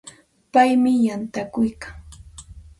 Paymi yantakuykan.